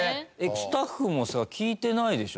スタッフもさ聞いてないでしょ？